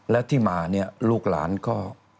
แล้วที่มาเนี่ยลูกหลานก็